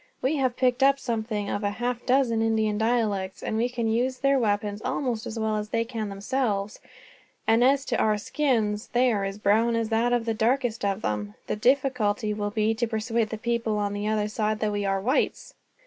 We have picked up something of half a dozen Indian dialects; we can use their weapons almost as well as they can themselves; and as to our skins, they are as brown as that of the darkest of them. The difficulty will be to persuade the people on the other side that we are whites."